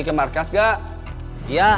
menyelamatkan tangan saya